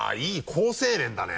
好青年だね。